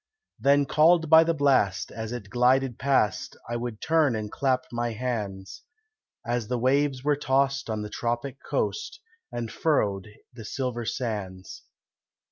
Then called by the blast, as it glided past, I would turn and clap my hands, As the waves were tossed on the tropic coast, And furrowed the silver sands.